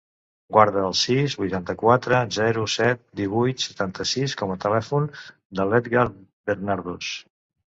Guarda el sis, vuitanta-quatre, zero, set, divuit, setanta-sis com a telèfon de l'Edgar Bernardos.